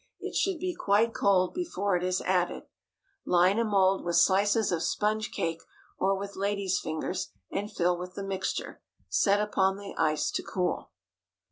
It should be quite cold before it is added. Line a mould with slices of sponge cake, or with lady's fingers, and fill with the mixture. Set upon the ice to cool.